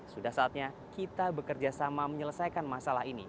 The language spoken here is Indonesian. sudah saatnya kita bekerjasama menyelesaikan masalah ini